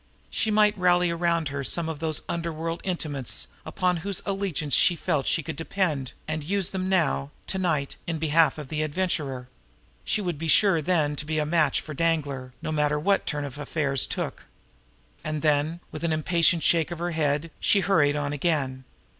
She might rally around her some of those underworld intimates upon whose allegiance she felt she could depend, and use them now, to night, in behalf of the Adventurer; she would be sure then to be a match for Danglar, no matter what turn affairs took. And then, with an impatient shake of her head, she hurried on again.